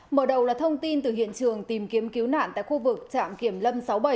mở đầu là thông tin từ hiện trường tìm kiếm cứu nạn tại khu vực trạm kiểm lâm sáu mươi bảy